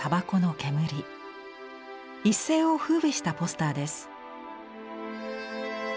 一世を風靡したポスターです。